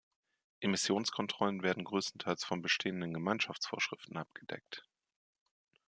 Emissionskontrollen werden größtenteils von bestehenden Gemeinschaftsvorschriften abgedeckt.